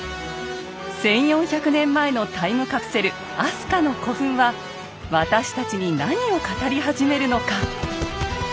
１，４００年前のタイムカプセル飛鳥の古墳は私たちに何を語り始めるのか。